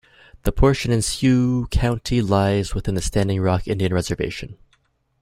The portion in Sioux County lies within the Standing Rock Indian Reservation.